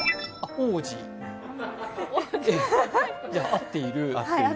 合っている。